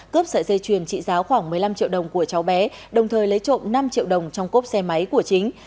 cướp sợi dây chuyền trị giá khoảng một mươi năm triệu đồng của cháu bé đồng thời lấy trộm năm triệu đồng trong cốp xe máy của chính